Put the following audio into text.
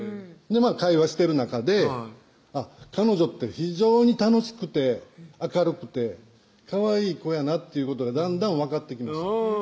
会話してる中で彼女って非常に楽しくて明るくてかわいい子やなっていうことがだんだん分かってきました